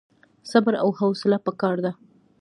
صبر او حوصله پکار ده